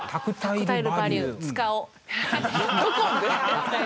どこで？